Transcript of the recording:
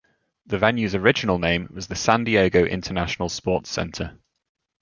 The venue's original name was the San Diego International Sports Center.